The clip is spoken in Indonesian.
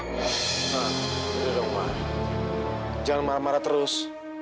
nah udah dong ma jangan marah marah terus